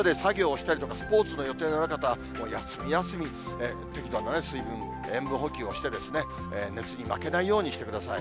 表で作業したりとか、スポーツの予定がある方は休み休み、適度なね、水分、塩分補給をしてですね、熱に負けないようにしてください。